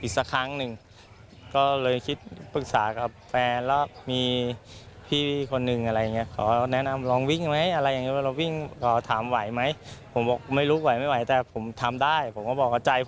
สักครั้งครับ